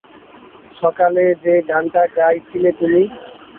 সকালে যে গানটা গাইছিলে তুমি।